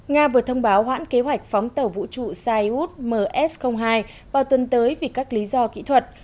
nga vừa thông báo hoãn kế hoạch phóng tàu vũ trụ saiw ms hai vào tuần tới vì các lý do kỹ thuật